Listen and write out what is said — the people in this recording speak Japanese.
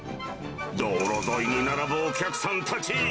道路沿いに並ぶお客さんたち。